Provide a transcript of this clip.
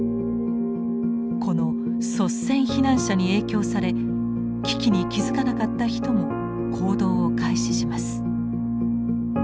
この率先避難者に影響され危機に気付かなかった人も行動を開始します。